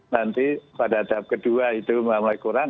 nanti pada tahap kedua itu mulai kurang